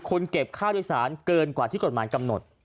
คุณเก็บค่าโดยสารเกินกว่าที่กฎหมายกำหนด